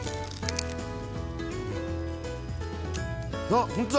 あっ本当だ。